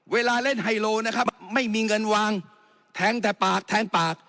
เวลาเล่นไฮโลนะครับไม่มีเงินวางแทงแต่ปากแทงปาก